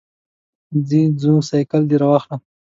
ځه چې ځو، سایکل دې راواخله.